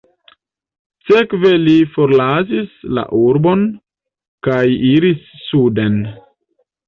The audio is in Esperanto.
Sekve li forlasis la urbon kaj iris suden.